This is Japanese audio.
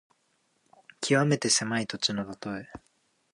きわめて狭い土地のたとえ。